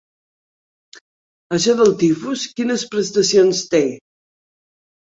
Això del tifus, quines prestacions té?